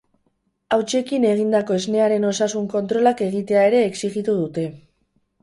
Hautsekin egindako esnearen osasun kontrolak egitea ere exijitu dute.